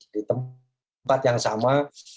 di tempat yang sama